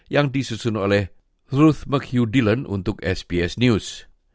yang disusun oleh ruth mchugh dillon untuk sbs news